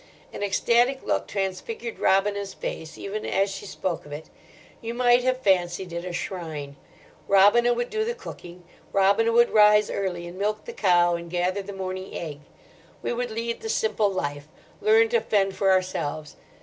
An ecstatic look transfigured Robina's face even as she spoke of it. You might have fancied it a shrine. Robina would do the cooking. Robina would rise early and milk the cow, and gather the morning egg. We would lead the simple life, learn to fend for ourselves.